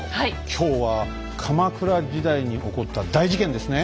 今日は鎌倉時代に起こった大事件ですね。